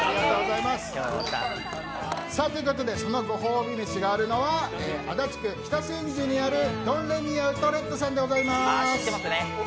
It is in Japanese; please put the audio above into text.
そのご褒美飯があるのは足立区北千住にあるドンレミーアウトレットさんでございます。